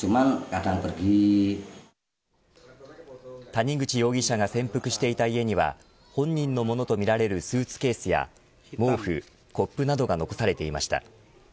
谷口容疑者が潜伏していた家には本人のものとみられるスーツケースや毛布、コップなどが残されていました。